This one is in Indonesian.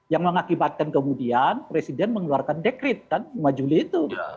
yang mengakibatkan kemudian presiden mengeluarkan dekret kan lima juli itu